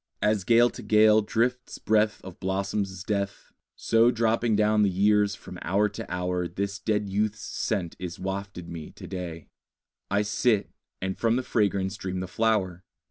As gale to gale drifts breath Of blossoms' death, So dropping down the years from hour to hour This dead youth's scent is wafted me to day: I sit, and from the fragrance dream the flower.